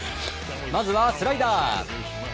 まずはスライダー。